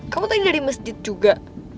kamu tadi udah di masjid juga